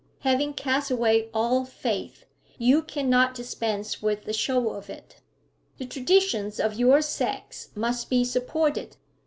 Having cast away all faith, you cannot dispense with the show of it; the traditions of your sex must be supported.